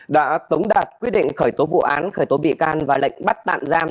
đã tống đạt quyết định khởi tố vụ án khởi tố bị can và lệnh bắt tạm giam